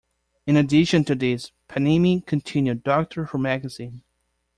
In addition to this Panini continued "Doctor Who Magazine".